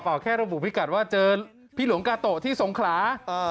แค่ระบุพิกัดว่าเจอพี่หลวงกาโตะที่สงขลา